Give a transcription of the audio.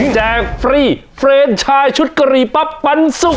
แจกฟรีเฟรนชายชุดกะหรี่ปั๊บปันสุก